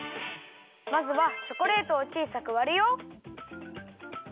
まずはチョコレートをちいさくわるよ！